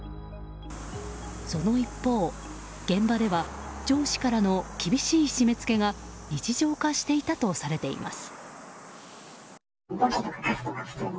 その一方、現場では上司からの厳しい締め付けが日常化していたとされています。